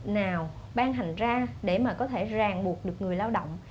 nào ban hành ra để mà có thể ràng buộc được người lao động